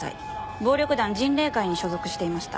暴力団迅嶺会に所属していました。